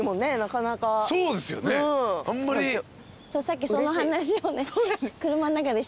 さっきその話をね